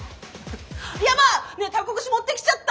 ヤバッ！ねえタコ串持ってきちゃった。